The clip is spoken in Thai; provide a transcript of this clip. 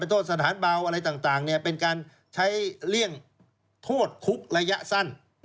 เป็นโทษสถานเบาอะไรต่างเนี่ยเป็นการใช้เลี่ยงโทษคุกระยะสั้นนะครับ